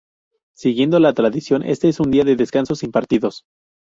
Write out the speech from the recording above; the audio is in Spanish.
Siguiendo la tradición, este es un día de descanso, sin partidos.